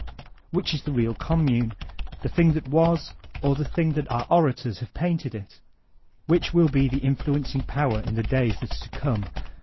Which is the real Commune, — ^the thing that was, or the thing our orators have painted it? Which will be the influencing power in the days that are to come?